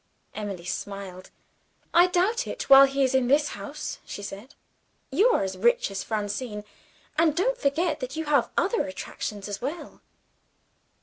Emily smiled. "I doubt it, while he is in this house," she said. "You are as rich as Francine and don't forget that you have other attractions as well."